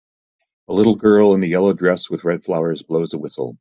A little girl in a yellow dress with red flowers blows a whistle.